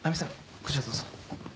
こちらへどうぞ。